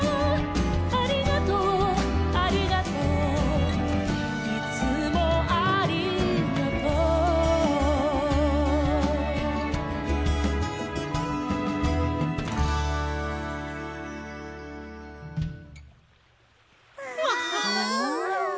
「ありがとうありがとう」「いつもありがとう」わ！